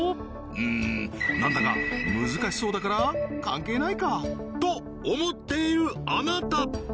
うん何だか難しそうだから関係ないかと思っているあなた！